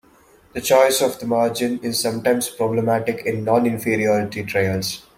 The choice of the margin is sometimes problematic in non-inferiority trials.